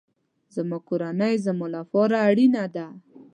زما کورنۍ زما لپاره اړینه ده